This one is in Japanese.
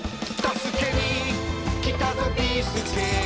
「助けにきたぞビーすけ」